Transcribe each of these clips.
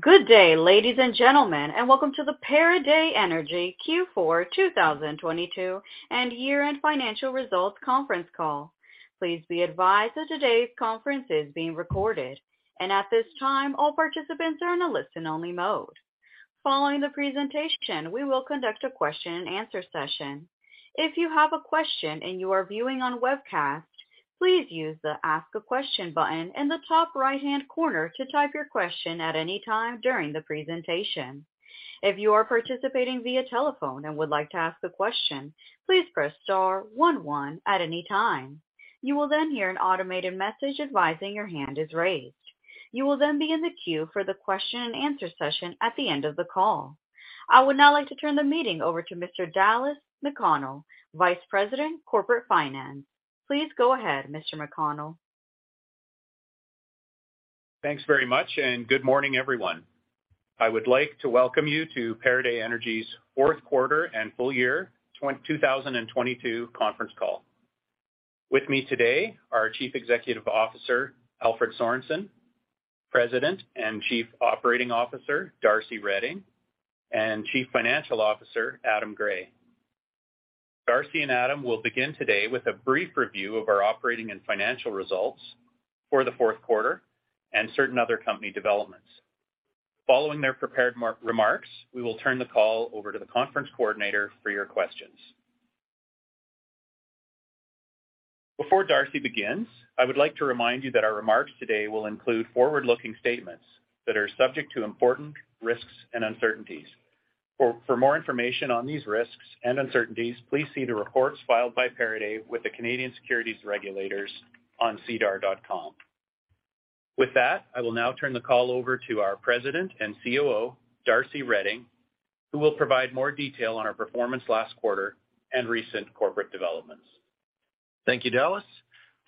Good day, ladies and gentlemen, welcome to the Pieridae Energy Q4 2022 and year-end financial results conference call. Please be advised that today's conference is being recorded. At this time, all participants are in a listen-only mode. Following the presentation, we will conduct a question and answer session. If you have a question and you are viewing on webcast, please use the Ask a Question button in the top right-hand corner to type your question at any time during the presentation. If you are participating via telephone and would like to ask a question, please press star one one at any time. You will hear an automated message advising your hand is raised. You will be in the queue for the question and answer session at the end of the call. I would now like to turn the meeting over to Mr. Dallas McConnell, Vice President, Corporate Finance. Please go ahead, Mr. McConnell. Thanks very much, good morning, everyone. I would like to welcome you to Pieridae Energy's fourth quarter and full year 2022 conference call. With me today, our Chief Executive Officer, Alfred Sorensen, President and Chief Operating Officer, Darcy Reding, and Chief Financial Officer, Adam Gray. Darcy and Adam will begin today with a brief review of our operating and financial results for the fourth quarter and certain other company developments. Following their prepared remarks, we will turn the call over to the conference coordinator for your questions. Before Darcy begins, I would like to remind you that our remarks today will include forward-looking statements that are subject to important risks and uncertainties. For more information on these risks and uncertainties, please see the reports filed by Pieridae with the Canadian Securities Administrators on sedar.com. I will now turn the call over to our President and COO, Darcy Reding, who will provide more detail on our performance last quarter and recent corporate developments. Thank you, Dallas.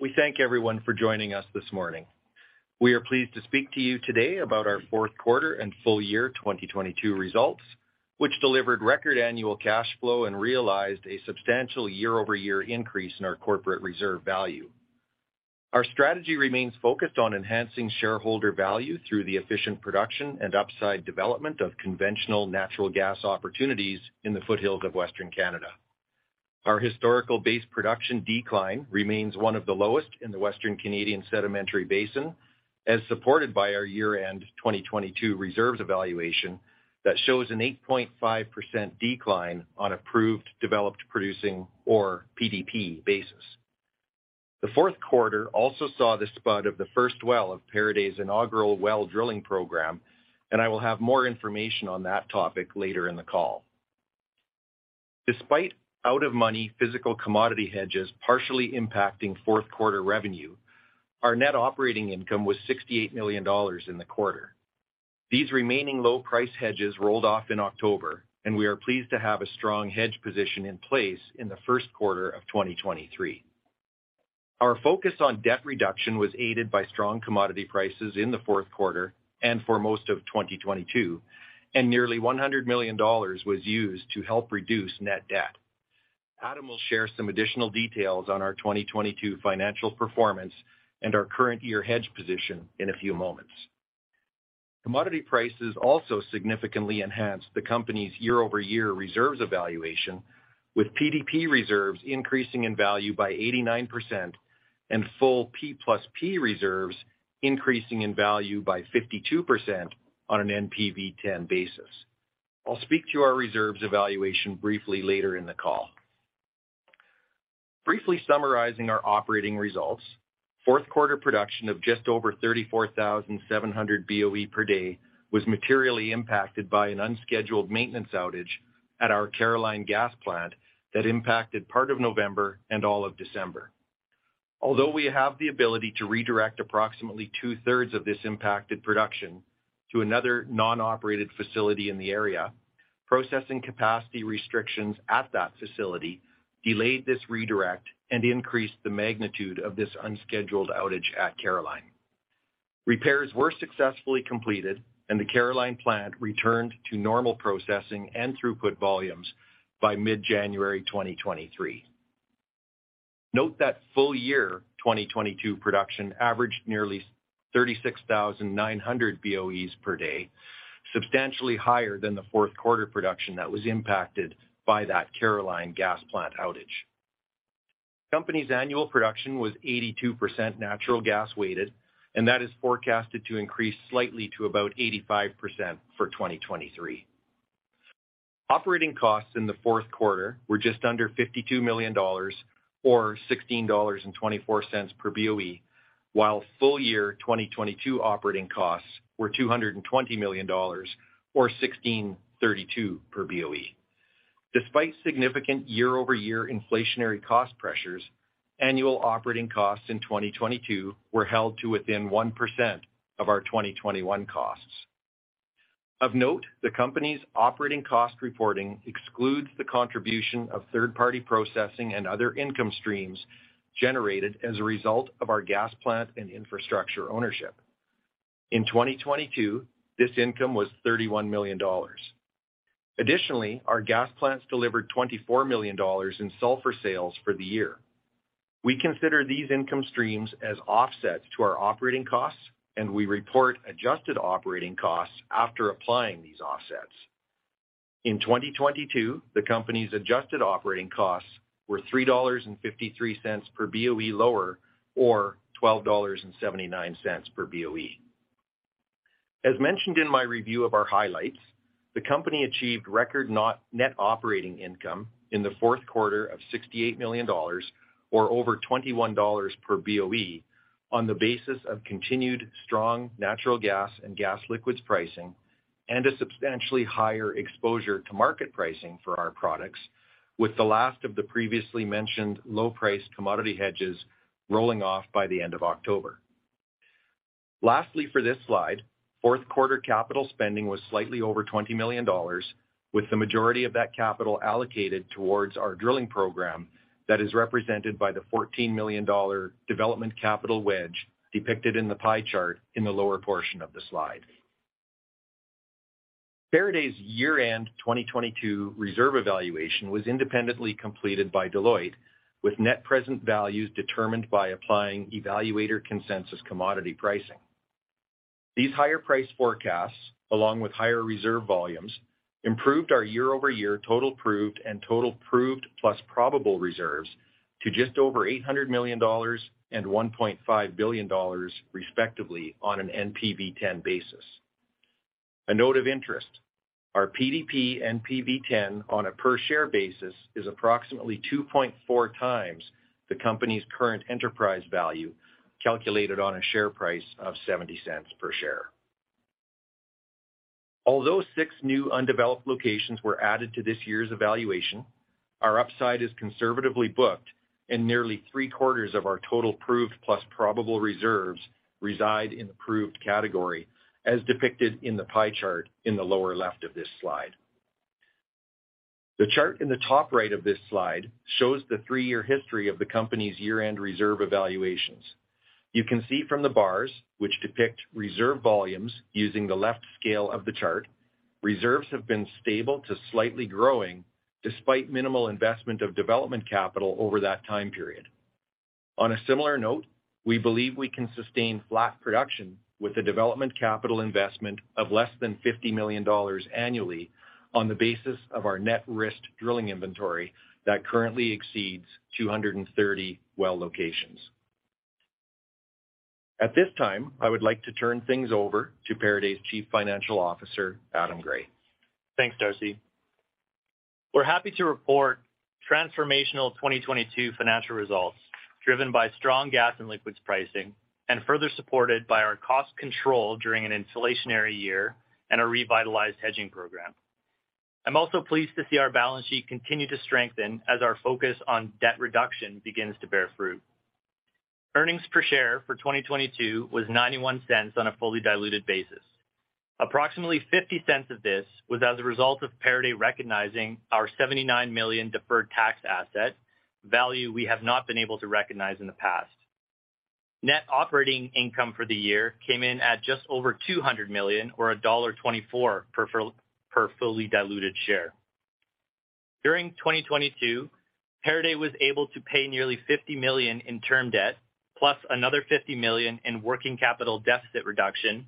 We thank everyone for joining us this morning. We are pleased to speak to you today about our fourth quarter and full year 2022 results, which delivered record annual cash flow and realized a substantial year-over-year increase in our corporate reserve value. Our strategy remains focused on enhancing shareholder value through the efficient production and upside development of conventional natural gas opportunities in the foothills of Western Canada. Our historical base production decline remains one of the lowest in the Western Canadian Sedimentary Basin, as supported by our year-end 2022 reserves evaluation that shows an 8.5% decline on proved, developed, producing or PDP basis. The fourth quarter also saw the spud of the first well of Pieridae Inaugural Well Drilling Program. I will have more information on that topic later in the call. Despite out of money physical commodity hedges partially impacting fourth-quarter revenue, our net operating income was 68 million dollars in the quarter. These remaining low price hedges rolled off in October. We are pleased to have a strong hedge position in place in the first quarter of 2023. Our focus on debt reduction was aided by strong commodity prices in the fourth quarter and for most of 2022, and nearly 100 million dollars was used to help reduce net debt. Adam will share some additional details on our 2022 financial performance and our current year hedge position in a few moments. Commodity prices also significantly enhanced the company's year-over-year reserves evaluation, with PDP reserves increasing in value by 89% and full 2P reserves increasing in value by 52% on an NPV10 basis. I'll speak to our reserves evaluation briefly later in the call. Briefly summarizing our operating results, fourth quarter production of just over 34,700 BOE/D was materially impacted by an unscheduled maintenance outage at our Caroline Gas plant that impacted part of November and all of December. Although we have the ability to redirect approximately two-thirds of this impacted production to another non-operated facility in the area, processing capacity restrictions at that facility delayed this redirect and increased the magnitude of this unscheduled outage at Caroline. Repairs were successfully completed and the Caroline plant returned to normal processing and throughput volumes by mid-January 2023. Note that full year 2022 production averaged nearly 36,900 BOE/D, substantially higher than the fourth quarter production that was impacted by that Caroline Gas plant outage. Company's annual production was 82% natural gas weighted, and that is forecasted to increase slightly to about 85% for 2023. Operating costs in the fourth quarter were just under 52 million dollars or 16.24 dollars per BOE, while full year 2022 operating costs were 220 million dollars or 16.32 per BOE. Despite significant year-over-year inflationary cost pressures, annual operating costs in 2022 were held to within 1% of our 2021 costs. Of note, the company's operating cost reporting excludes the contribution of third-party processing and other income streams generated as a result of our gas plant and infrastructure ownership. In 2022, this income was 31 million dollars. Additionally, our gas plants delivered 24 million dollars in sulfur sales for the year. We consider these income streams as offsets to our operating costs, and we report adjusted operating costs after applying these offsets. In 2022, the company's adjusted operating costs were $3.53 per BOE lower or $12.79 per BOE. As mentioned in my review of our highlights, the company achieved record net operating income in the fourth quarter of $68 million or over $21 per BOE on the basis of continued strong natural gas and gas liquids pricing and a substantially higher exposure to market pricing for our products, with the last of the previously mentioned low price commodity hedges rolling off by the end of October. Lastly, for this slide, fourth quarter capital spending was slightly over $20 million, with the majority of that capital allocated towards our drilling program that is represented by the $14 million development capital wedge depicted in the pie chart in the lower portion of the slide. Pieridae's year-end 2022 reserve evaluation was independently completed by Deloitte, with net present values determined by applying evaluator consensus commodity pricing. These higher price forecasts, along with higher reserve volumes, improved our year-over-year total proved and total proved plus probable reserves to just over $800 million and $1.5 billion, respectively, on an NPV10 basis. A note of interest, our PDP NPV10 on a per share basis is approximately 2.4 times the company's current enterprise value, calculated on a share price of $0.70 per share. Although 6 new undeveloped locations were added to this year's evaluation, our upside is conservatively booked, nearly three-quarters of our total Proved plus Probable reserves reside in the Proved category, as depicted in the pie chart in the lower left of this slide. The chart in the top right of this slide shows the 3-year history of the company's year-end reserve evaluations. You can see from the bars, which depict reserve volumes using the left scale of the chart, reserves have been stable to slightly growing despite minimal investment of development capital over that time period. On a similar note, we believe we can sustain flat production with a development capital investment of less than $50 million annually on the basis of our net risked drilling inventory that currently exceeds 230 well locations. At this time, I would like to turn things over to Pieridae's Chief Financial Officer, Adam Gray. Thanks, Darcy. We're happy to report transformational 2022 financial results driven by strong gas and liquids pricing and further supported by our cost control during an inflationary year and a revitalized hedging program. I'm also pleased to see our balance sheet continue to strengthen as our focus on debt reduction begins to bear fruit. Earnings per share for 2022 was 0.91 on a fully diluted basis. Approximately 0.50 of this was as a result of Pieridae recognizing our 79 million deferred tax asset, value we have not been able to recognize in the past. Net operating income for the year came in at just over 200 million or dollar 1.24 per fully diluted share. During 2022, Pieridae was able to pay nearly 50 million in term debt plus another 50 million in working capital deficit reduction.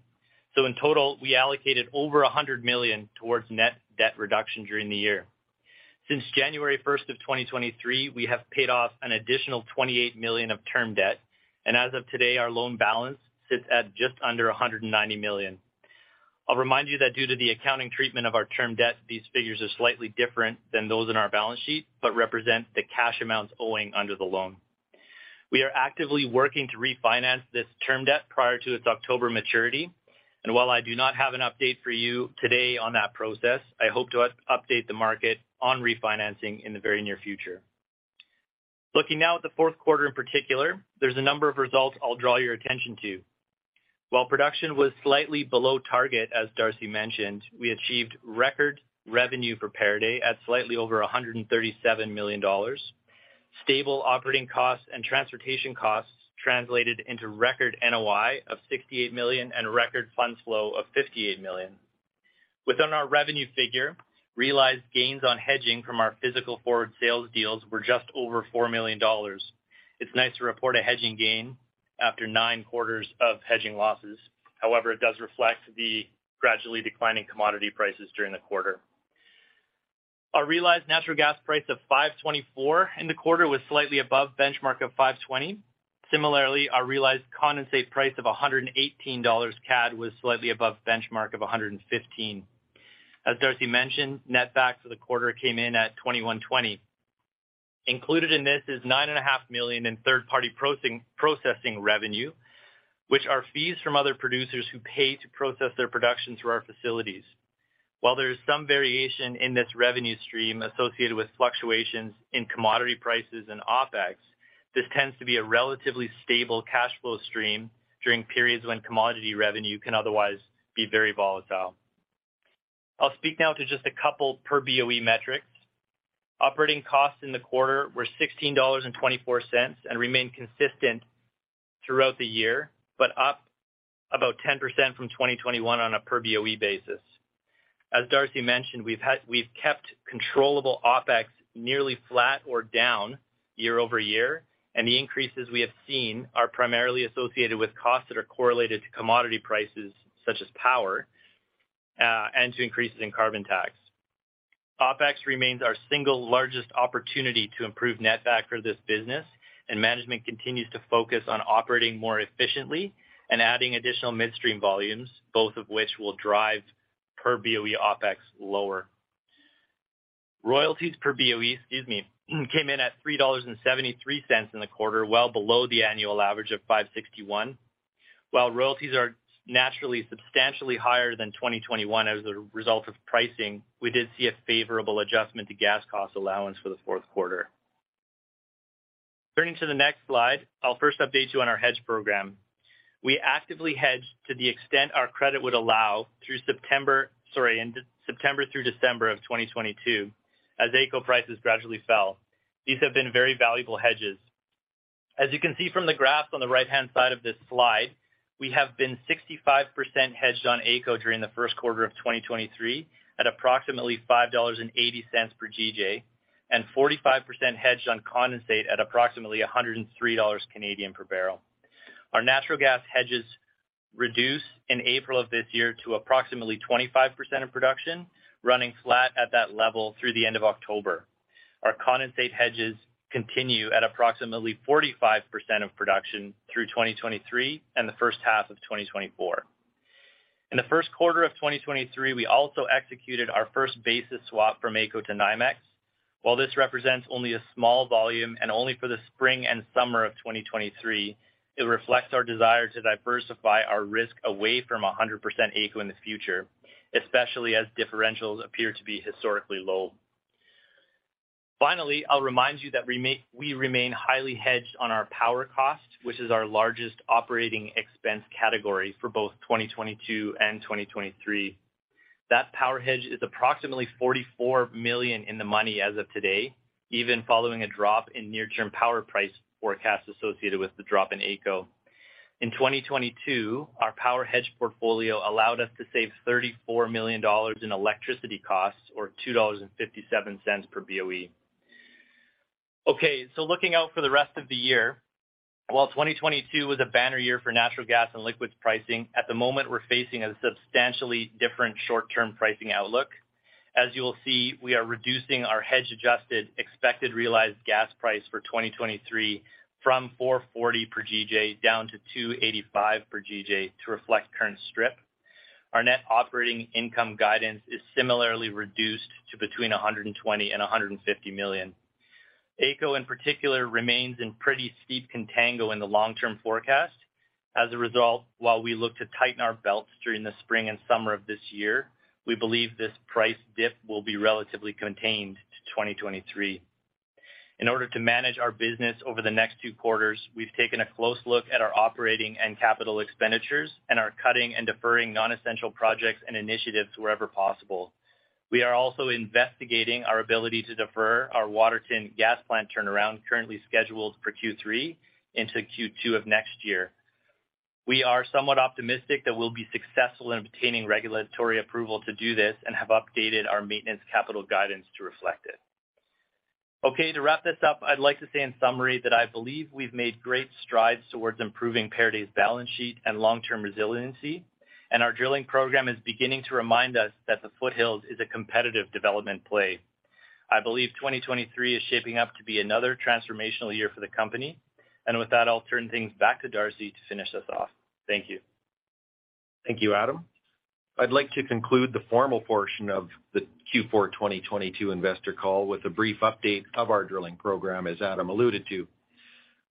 In total, we allocated over 100 million towards net debt reduction during the year. Since January 1, 2023, we have paid off an additional 28 million of term debt, and as of today, our loan balance sits at just under 190 million. I'll remind you that due to the accounting treatment of our term debt, these figures are slightly different than those in our balance sheet but represent the cash amounts owing under the loan. We are actively working to refinance this term debt prior to its October maturity. While I do not have an update for you today on that process, I hope to update the market on refinancing in the very near future. Looking now at the fourth quarter in particular, there's a number of results I'll draw your attention to. While production was slightly below target, as Darcy mentioned, we achieved record revenue for Pieridae at slightly over 137 million dollars. Stable operating costs and transportation costs translated into record NOI of 68 million and a record fund flow of 58 million. Within our revenue figure, realized gains on hedging from our physical forward sales deals were just over 4 million dollars. It's nice to report a hedging gain after 9 quarters of hedging losses. It does reflect the gradually declining commodity prices during the quarter. Our realized natural gas price of 5.24 in the quarter was slightly above benchmark of 5.20. Similarly, our realized condensate price of 118 CAD was slightly above benchmark of 115. As Darcy mentioned, netback for the quarter came in at 21.20. Included in this is 9.5 million in third-party processing revenue, which are fees from other producers who pay to process their production through our facilities. While there is some variation in this revenue stream associated with fluctuations in commodity prices and OpEx, this tends to be a relatively stable cash flow stream during periods when commodity revenue can otherwise be very volatile. I'll speak now to just a couple per BOE metrics. Operating costs in the quarter were 16.24 dollars and remained consistent throughout the year, but up about 10% from 2021 on a per BOE basis. As Darcy mentioned, we've kept controllable OpEx nearly flat or down year over year, and the increases we have seen are primarily associated with costs that are correlated to commodity prices such as power, and to increases in carbon tax. OpEx remains our single largest opportunity to improve netback for this business, and management continues to focus on operating more efficiently and adding additional midstream volumes, both of which will drive per BOE OpEx lower. Royalties per BOE, excuse me, came in at 3.73 dollars in the quarter, well below the annual average of 5.61. While royalties are naturally substantially higher than 2021 as a result of pricing, we did see a favorable adjustment to Gas Cost Allowance for the fourth quarter. Turning to the next slide, I'll first update you on our hedge program. We actively hedged to the extent our credit would allow, sorry, in September through December of 2022 as AECO prices gradually fell. These have been very valuable hedges. As you can see from the graph on the right-hand side of this slide, we have been 65% hedged on AECO during the first quarter of 2023 at approximately 5.80 dollars per GJ, and 45% hedged on condensate at approximately 103 Canadian dollars per barrel. Our natural gas hedges reduced in April of this year to approximately 25% of production, running flat at that level through the end of October. Our condensate hedges continue at approximately 45% of production through 2023 and the first half of 2024. In the first quarter of 2023, we also executed our first basis swap from AECO to NYMEX. While this represents only a small volume and only for the spring and summer of 2023, it reflects our desire to diversify our risk away from 100% AECO in the future, especially as differentials appear to be historically low. I'll remind you that we remain highly hedged on our power cost, which is our largest operating expense category for both 2022 and 2023. That power hedge is approximately $44 million in the money as of today, even following a drop in near-term power price forecast associated with the drop in AECO. In 2022, our Power Hedge portfolio allowed us to save $34 million in electricity costs or $2.57 per BOE. Looking out for the rest of the year. While 2022 was a banner year for natural gas and liquids pricing, at the moment we're facing a substantially different short-term pricing outlook. As you will see, we are reducing our hedge-adjusted expected realized gas price for 2023 from 4.40 per GJ down to 2.85 per GJ to reflect current strip. Our net operating income guidance is similarly reduced to between 120 million and 150 million. AECO in particular remains in pretty steep contango in the long-term forecast. While we look to tighten our belts during the spring and summer of this year, we believe this price dip will be relatively contained to 2023. In order to manage our business over the next two quarters, we've taken a close look at our operating and capital expenditures and are cutting and deferring non-essential projects and initiatives wherever possible. We are also investigating our ability to defer our Waterton gas plant turnaround, currently scheduled for Q3 into Q2 of next year. We are somewhat optimistic that we'll be successful in obtaining regulatory approval to do this and have updated our maintenance capital guidance to reflect it. Okay, to wrap this up, I'd like to say in summary that I believe we've made great strides towards improving Pieridae's balance sheet and long-term resiliency. Our drilling program is beginning to remind us that the foothills is a competitive development play. I believe 2023 is shaping up to be another transformational year for the company. With that, I'll turn things back to Darcy to finish us off. Thank you. Thank you, Adam. I'd like to conclude the formal portion of the Q4 2022 investor call with a brief update of our drilling program, as Adam alluded to.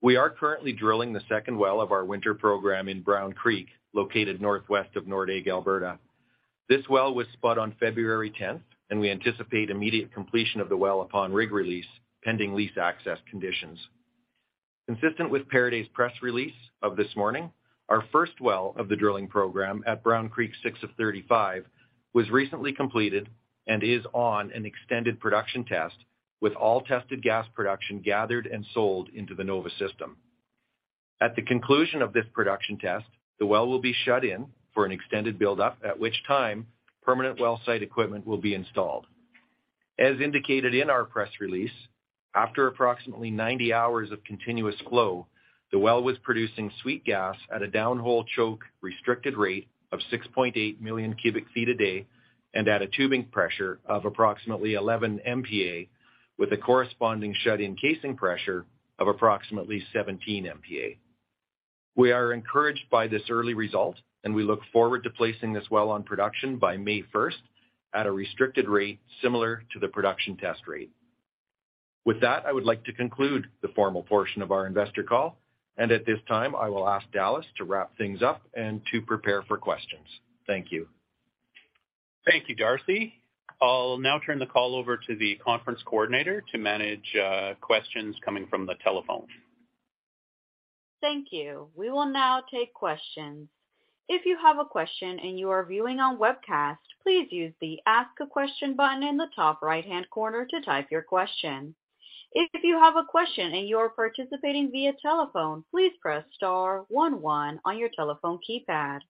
We are currently drilling the second well of our winter program in Brown Creek, located northwest of Nordegg, Alberta. This well was spot on February 10th, and we anticipate immediate completion of the well upon rig release, pending lease access conditions. Consistent with Pieridae's press release of this morning, our first well of the drilling program at Brown Creek 6 of 35 was recently completed and is on an extended production test with all tested gas production gathered and sold into the NOVA system. At the conclusion of this production test, the well will be shut in for an extended buildup, at which time permanent well site equipment will be installed. As indicated in our press release, after approximately 90 hours of continuous flow, the well was producing sweet gas at a downhole choke restricted rate of 6.8 million cubic feet a day and at a tubing pressure of approximately 11 MPa, with a corresponding shut-in casing pressure of approximately 17 MPa. We are encouraged by this early result, and we look forward to placing this well on production by May first at a restricted rate similar to the production test rate. With that, I would like to conclude the formal portion of our investor call. At this time, I will ask Dallas to wrap things up and to prepare for questions. Thank you. Thank you, Darcy. I'll now turn the call over to the conference coordinator to manage, questions coming from the telephone. Thank you. We will now take questions. If you have a question and you are viewing on webcast, please use the Ask a Question button in the top right-hand corner to type your question. If you have a question and you're participating via telephone, please press star one one on your telephone keypad.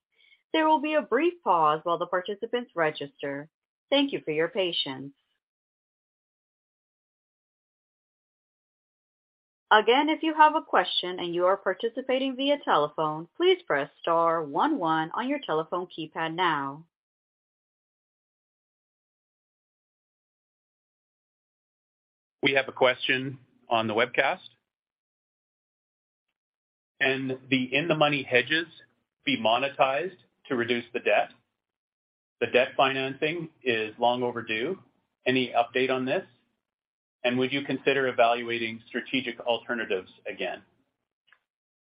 There will be a brief pause while the participants register. Thank you for your patience. Again, if you have a question and you are participating via telephone, please press star one one on your telephone keypad now. We have a question on the webcast. Can the in-the-money hedges be monetized to reduce the debt? The debt financing is long overdue. Any update on this? Would you consider evaluating strategic alternatives again?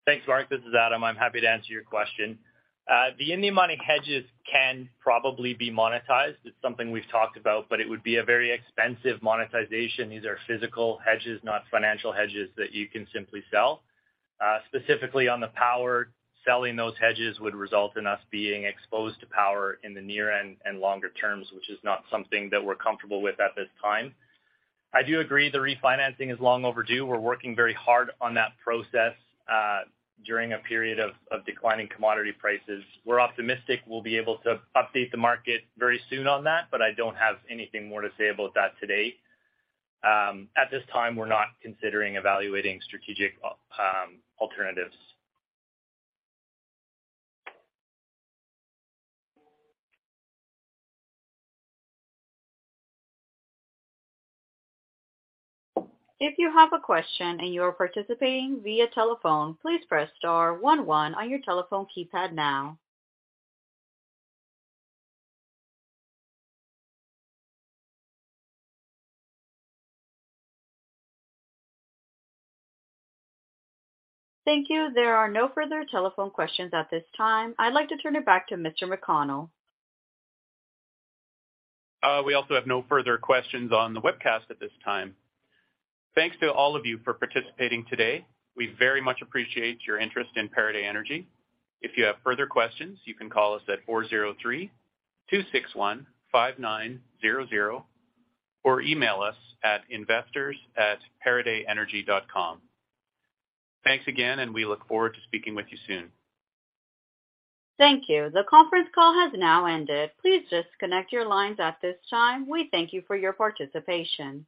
Thanks, Mark. This is Adam. I'm happy to answer your question. The in-the-money hedges can probably be monetized. It's something we've talked about. It would be a very expensive monetization. These are physical hedges, not financial hedges that you can simply sell. Specifically on the power, selling those hedges would result in us being exposed to power in the near and longer terms, which is not something that we're comfortable with at this time. I do agree the refinancing is long overdue. We're working very hard on that process, during a period of declining commodity prices. We're optimistic we'll be able to update the market very soon on that. I don't have anything more to say about that today. At this time, we're not considering evaluating strategic alternatives. If you have a question and you are participating via telephone, please press star one one on your telephone keypad now. Thank you. There are no further telephone questions at this time. I'd like to turn it back to Mr. McConnell. We also have no further questions on the webcast at this time. Thanks to all of you for participating today. We very much appreciate your interest in Pieridae Energy. If you have further questions, you can call us at 403-261-5900, or email us at investors@pieridaeenergy.com. Thanks again. We look forward to speaking with you soon. Thank you. The conference call has now ended. Please disconnect your lines at this time. We thank you for your participation.